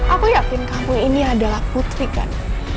aku yakin kampung ini adalah putri kan